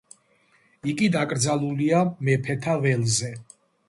იგი დაკრძალულია მეფეთა ველზე.